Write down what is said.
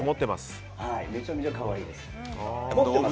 めちゃめちゃ可愛いです。